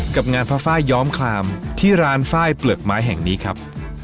กับงานพระไฟล์ย้อมคลามที่ร้านไฟล์เปลือกไม้แห่งนี้ครับ